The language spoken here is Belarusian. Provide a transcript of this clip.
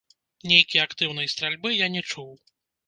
Нейкі актыўнай стральбы я не чуў.